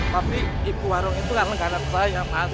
tapi ibu warung itu kan lenggaran saya mas